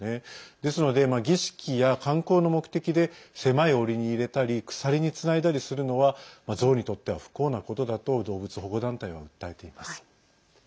ですので、儀式や観光の目的で狭いおりに入れたり鎖につないだりするのはゾウにとっては不幸なことだと動物保護団体は訴えています。